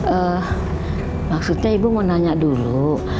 eh maksudnya ibu mau nanya dulu